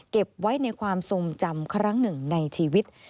เก็บไว้ในความทรงจำครั้งหนึ่งในชีวิต